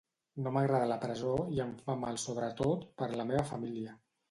No m’agrada la presó i em fa mal sobretot per la meva família.